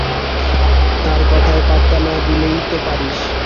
তার কথায় পাত্তা না দিলেই তো পারিস।